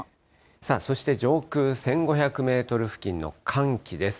さあ、そして上空１５００メートル付近の寒気です。